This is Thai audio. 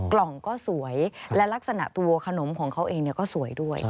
กล่องก็สวยและลักษณะตัวขนมของเขาเองก็สวยด้วย